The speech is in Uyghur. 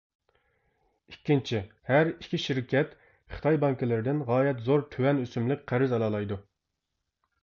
ئىككىنچى ، ھەر ئىككى شىركەت خىتاي بانكىلىرىدىن غايەت زور تۆۋەن ئۆسۈملۈك قەرز ئالالايدۇ.